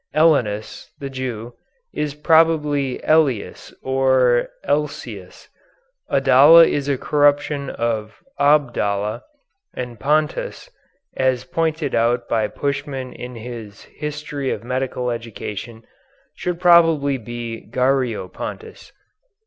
Elinus, the Jew, is probably Elias or Eliseus, Adala is a corruption of Abdallah, and Pontus, as pointed out by Puschmann in his "History of Medical Education," should probably be Gario Pontus.